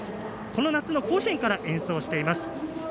この夏の甲子園から演奏しています。